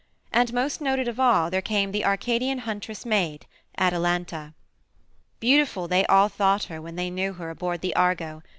And, most noted of all, there came the Arcadian huntress maid, Atalanta. Beautiful they all thought her when they knew her aboard the Argo.